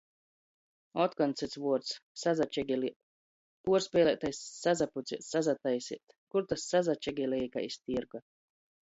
Otkon cyts vuords "sasačegelēt", 'puorspeilātai sasapucēt, sasataiseit'. Kur ta sasačegelieji kai iz tierga?